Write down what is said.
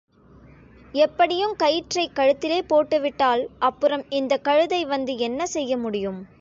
எப்படியுங் கயிற்றைக் கழுத்திலே போட்டுவிட்டால் அப்புறம் இந்தக் கழுதை வந்து என்ன செய்ய முடியும்?